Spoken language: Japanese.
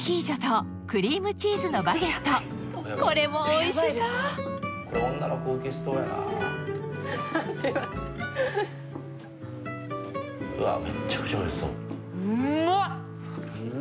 これもおいしそう！